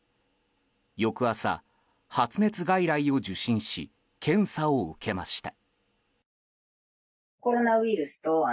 翌朝、発熱外来を受診し検査を受けました。